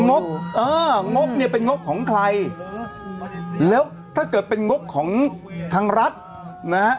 งบเอองบเนี่ยเป็นงบของใครแล้วถ้าเกิดเป็นงบของทางรัฐนะฮะ